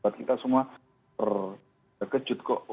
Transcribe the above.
buat kita semua terkejut kok